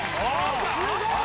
すごい！